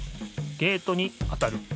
ゲートに当たる。